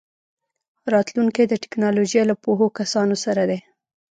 راتلونکی د ټیکنالوژۍ له پوهو کسانو سره دی.